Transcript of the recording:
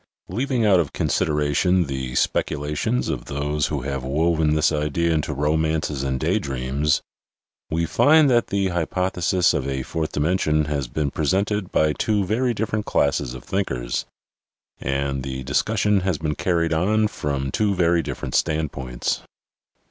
Leaving out of consideration the speculations of those who have woven this idea into romances and day dreams we find that the hypothesis of a fourth dimension has been presented by two very different classes of thinkers, and the discussion has been carried on from two very different standpoints.